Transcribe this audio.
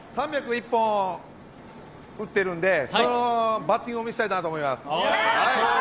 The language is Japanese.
３０１本打ってるんでそのバッティングを見せたいなと思います。